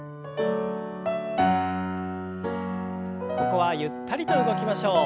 ここはゆったりと動きましょう。